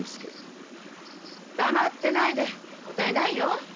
黙ってないで答えないよ！